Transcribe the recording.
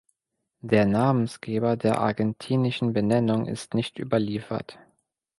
Der Namensgeber der argentinischen Benennung ist nicht überliefert.